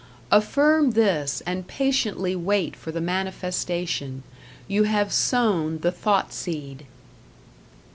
Affirm this and patiently wait for the manifestation. You have sown the thought seed.